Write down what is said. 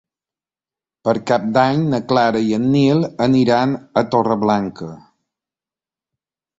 Per Cap d'Any na Clara i en Nil aniran a Torreblanca.